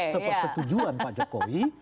sepersetujuan pak jokowi